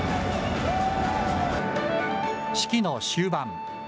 式の終盤。